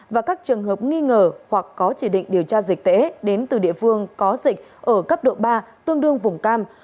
và các trường hợp nghi ngờ hoặc có chỉ định điều tra dịch tễ đến từ địa phương có dịch ở cấp độ ba tương đương vùng cam